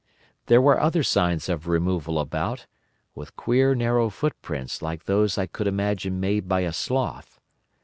There were other signs of removal about, with queer narrow footprints like those I could imagine made by a sloth.